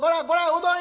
うどん屋！